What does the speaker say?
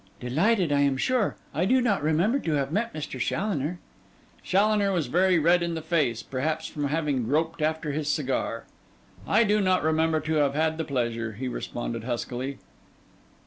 'Delighted, I am sure. I do not remember to have met Mr. Challoner.' Challoner was very red in the face, perhaps from having groped after his cigar. 'I do not remember to have had the pleasure,' he responded huskily.